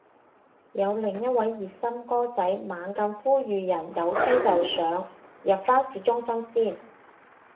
有另一位熱心哥仔猛咁呼籲人有車就上，入返市中心先